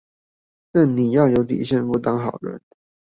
但你要有底線不當好人